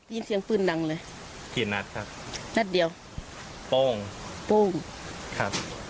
ได้ยินเสียงปืนดังเลยกี่นัดครับนัดเดียวโป้งโป้งครับ